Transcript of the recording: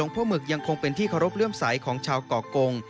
ผู้มึกยังคงเป็นที่เคารพเรื่องใสของชาวเกาะกง